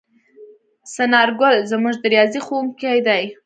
څنارګل زموږ د ریاضي ښؤونکی دی.